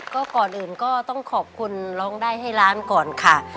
ก็ก่อนอื่นก็ต้องขอบคุณร้องได้ให้ล้านก่อนค่ะ